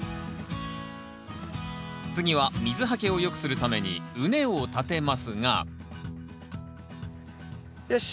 次は水はけをよくするために畝を立てますがよし。